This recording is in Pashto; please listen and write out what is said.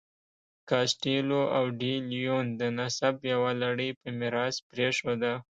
کاسټیلو او ډي لیون د نسب یوه لړۍ په میراث پرېښوده.